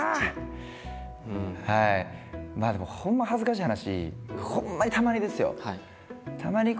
まあでもほんま恥ずかしい話ほんまにたまにですよ